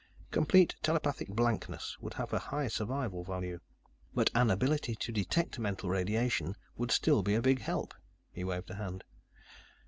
Complete telepathic blankness would have a high survival value. But an ability to detect mental radiation would still be a big help." He waved a hand.